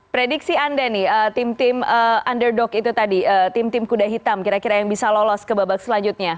prediksi anda nih tim tim underdog itu tadi tim tim kuda hitam kira kira yang bisa lolos ke babak selanjutnya